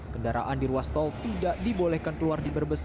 kendaraan di ruas tol tidak dibolehkan keluar di berbes